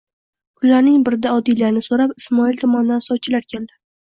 Kunlarning birida Odilani so'rab Ismoil tomondan sovchilar keldi.